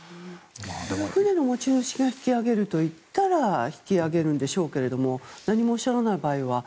船の持ち主が引き揚げると言ったら引き揚げるんでしょうけども何もおっしゃらない場合は。